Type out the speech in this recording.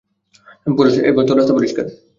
Porous, এবার তোর রাস্তা পরিস্কার।